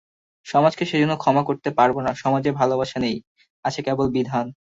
সমাজকে সেজন্য ক্ষমা করতে পারব না, সমাজের ভালোবাসা নেই, আছে কেবল বিধান।